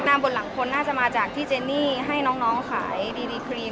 บนหลังคนน่าจะมาจากที่เจนี่ให้น้องขายดีครีม